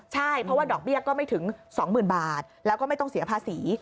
ใช่เพราะว่าดอกเบี้ยก็ไม่ถึง๒๐๐๐บาทแล้วก็ไม่ต้องเสียภาษี